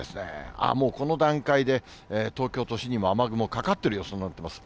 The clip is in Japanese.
あー、もうこの段階で東京都心にも雨雲かかってる予想になってます。